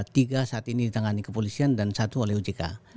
tiga saat ini ditangani kepolisian dan satu oleh ojk